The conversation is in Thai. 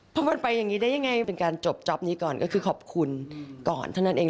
เพราะมันไปอย่างนี้ได้ยังไงเป็นการจบจ๊อปนี้ก่อนก็คือขอบคุณก่อนเท่านั้นเอง